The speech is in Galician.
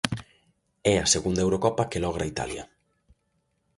É a segunda Eurocopa que logra Italia.